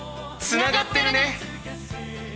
つながってるね！